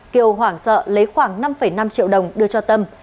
kiều hoảng sợ lấy khoảng năm năm triệu đồng đưa cho tâm